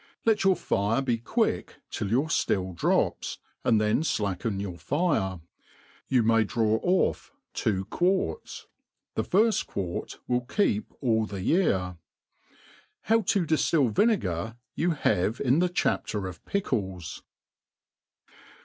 Let your fire be quick till your ftill drops, and then flacken your fire. You may draw off two quarts. The firft quart will keep all the year. How to diftU vinegar you' have in the chapter of Pickles..